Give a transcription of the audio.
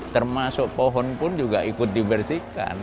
termasuk pohon pun juga ikut dibersihkan